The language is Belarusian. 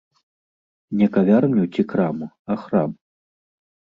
Не кавярню ці краму, а храм.